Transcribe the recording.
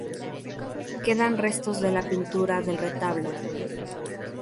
Quedan restos de la pintura del retablo.